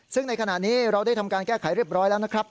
ซึ่งในขณะนี้เราได้ทำการแก้ไขเรียบร้อยแล้วนะครับ